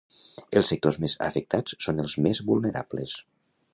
Els sectors més afectats són els més vulnerables.